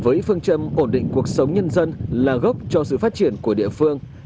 với phương châm ổn định cuộc sống nhân dân là gốc cho sự phát triển của địa phương